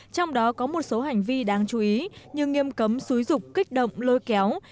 trong đó có một số hành vi đáng chú ý như nghiêm cấm xúi rục kích động lôi kéo